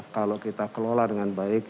kalau kita kelola dengan baik